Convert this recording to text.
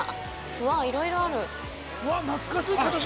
うわっ、いろいろある。